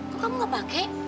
kok kamu gak pakai